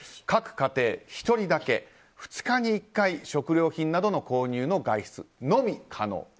各家庭１人だけ２日に１回食料品などの購入の外出のみ可能。